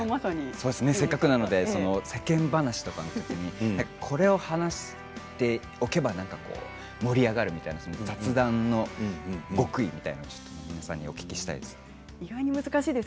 せっかくなので世間話とかのときにこれを話しておけば盛り上がるという雑談の極意を皆さんに伺いたいです。